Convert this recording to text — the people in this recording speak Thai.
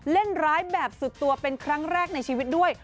เล่นร้ายแบบสุดตัวเป็นครั้งแรกในชีวิตด้วย